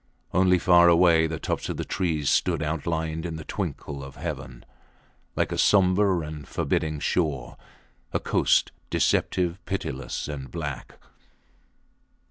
Only far away the tops of the trees stood outlined on the twinkle of heaven, like a sombre and forbidding shore a coast deceptive, pitiless and black.